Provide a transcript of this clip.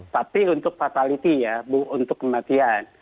tapi untuk fatality ya untuk kematian